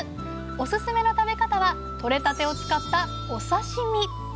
おすすめの食べ方は取れたてを使ったお刺身。